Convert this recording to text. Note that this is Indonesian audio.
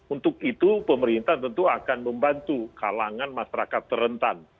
untuk itu pemerintah tentu akan membantu kalangan masyarakat terentan